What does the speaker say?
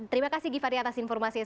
terima kasih givhary atas informasinya